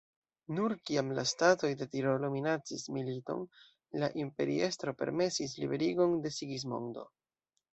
Nur kiam la statoj de Tirolo minacis militon, la imperiestro permesis liberigon de Sigismondo.